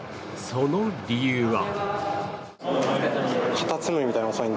その理由は。